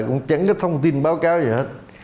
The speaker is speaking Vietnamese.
cũng chẳng có thông tin báo cáo gì hết